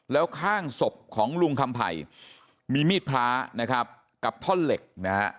แล้วข้างสบของลุงคำไผ่มีมีดพล้ากับท่อเหล็กนะครับ